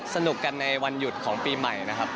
สนุกกันในวันหยุดของปีใหม่นะครับ